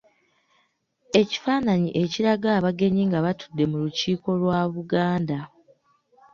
Ekifaananyi ekiraga abagenyi nga batudde mu Lukiiko lwa Buganda.